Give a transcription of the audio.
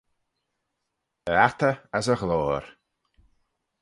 E attey as e ghloyr.